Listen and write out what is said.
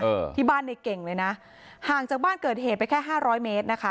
เออที่บ้านในเก่งเลยนะห่างจากบ้านเกิดเหตุไปแค่ห้าร้อยเมตรนะคะ